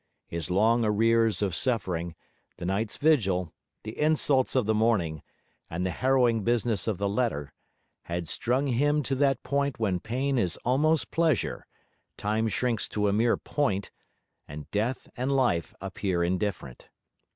His long arrears of suffering, the night's vigil, the insults of the morning, and the harrowing business of the letter, had strung him to that point when pain is almost pleasure, time shrinks to a mere point, and death and life appear indifferent.